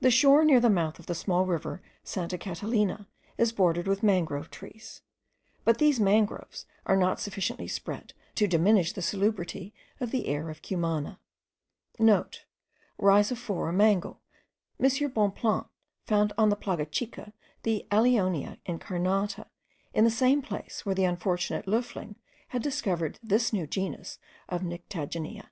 The shore near the mouth of the small river Santa Catalina is bordered with mangrove trees,* but these mangroves are not sufficiently spread to diminish the salubrity of the air of Cumana. (* Rhizophora mangle. M. Bonpland found on the Plaga Chica the Allionia incarnata, in the same place where the unfortunate Loefling had discovered this new genus of Nyctagineae.)